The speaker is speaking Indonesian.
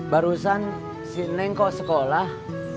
barusan si neng kok sekolah